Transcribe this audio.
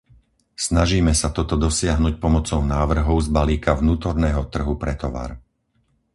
Snažíme sa toto dosiahnuť pomocou návrhov z balíka vnútorného trhu pre tovar.